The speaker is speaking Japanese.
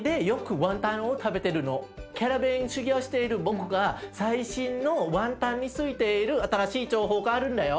キャラベン修業している僕が最新のワンタンについている新しい情報があるんだよ。